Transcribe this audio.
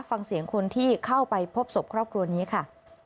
ฟังเสียงคนที่เข้าไปพบศพครอบครัวนี้ค่ะ